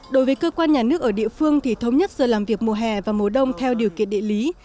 đối với cơ quan nhà nước ở địa phương thì thống nhất giờ làm việc mùa hè và mùa đông theo điều kiện địa lý